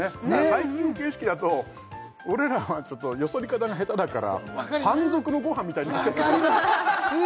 バイキング形式だと俺らはちょっとよそり方が下手だから山賊のごはんみたいになっちゃってね分かります